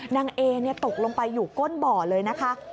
นางเอตกลงไปอยู่ก้นบ่อเลยนะคะ